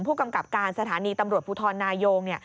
ผู้กำกับการสถานีตำรวจภูทรนายง